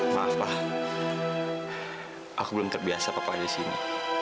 maaf pak aku belum terbiasa papa di sini